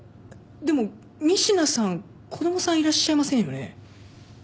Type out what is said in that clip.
でも仁科さん子供さんいらっしゃいませんよね？